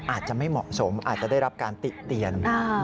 อาจจะไม่เหมาะสมอาจจะได้รับการติเตียน